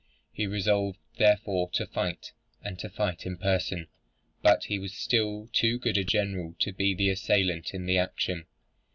He resolved, therefore, to fight, and to fight in person: but he was still too good a general to be the assailant in the action.